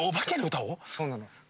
そうなの。